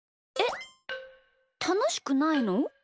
えったのしくないの？